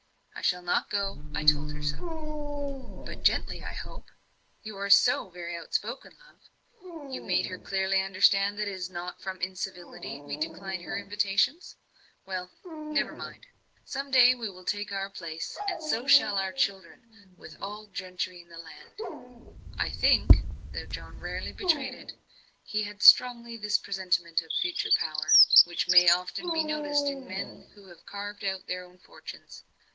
I shall not go I told her so." "But gently, I hope? you are so very outspoken, love. You made her clearly understand that it is not from incivility we decline her invitations? Well never mind! Some day we will take our place, and so shall our children, with any gentry in the land." I think though John rarely betrayed it he had strongly this presentiment of future power, which may often be noticed in men who have carved out their own fortunes.